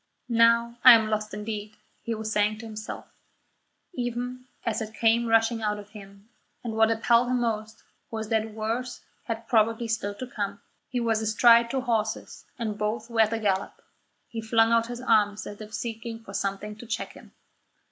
"Now I am lost indeed," he was saying to himself, even as it came rushing out of him, and what appalled him most was that worse had probably still to come. He was astride two horses, and both were at the gallop. He flung out his arms as if seeking for something to check him.